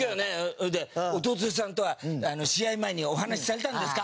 それで「弟さんとは試合前にお話しされたんですか？」